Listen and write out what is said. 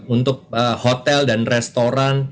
untuk hotel dan restoran